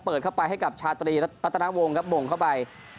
เปิดเข้าไปให้กับชาตรีรัตนวงครับบ่งเข้าไป